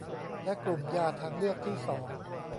และกลุ่มยาทางเลือกที่สอง